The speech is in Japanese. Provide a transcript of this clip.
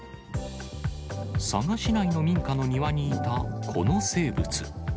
佐賀市内の民家の庭にいたこの生物。